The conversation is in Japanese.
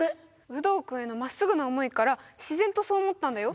ウドウ君へのまっすぐな思いから自然とそう思ったんだよ